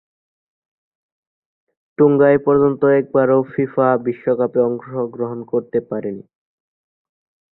Tonga এপর্যন্ত একবারও FIFA বিশ্বকাপে অংশগ্রহণ করতে পারেনি।